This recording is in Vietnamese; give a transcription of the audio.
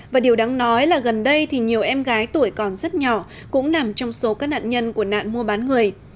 và điều đáng nói là gần đây thì nhiều em gái tuổi còn rất nhỏ cũng nằm trong số các nạn nhân của nạn mua bán người